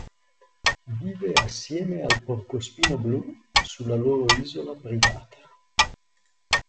Vive assieme al porcospino blu sulla loro isola privata.